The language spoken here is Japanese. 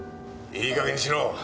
いい加減にしろ！